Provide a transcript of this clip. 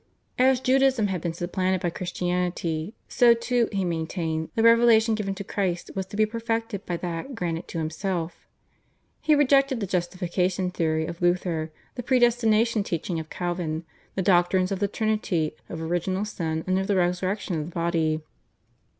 As Judaism had been supplanted by Christianity, so too, he maintained, the revelation given by Christ was to be perfected by that granted to himself. He rejected the Justification theory of Luther, the Predestination teaching of Calvin, the doctrines of the Trinity, of Original Sin, and of the Resurrection of the body.